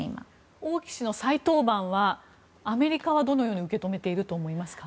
王毅氏の再登板はアメリカはどのように受け止めていると思いますか？